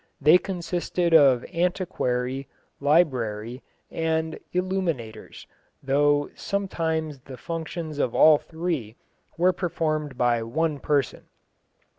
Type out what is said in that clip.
They consisted of antiquarii, librarii, and illuminators, though sometimes the functions of all three were performed by one person.